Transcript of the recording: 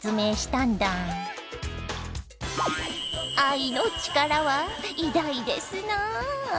愛の力は偉大ですな！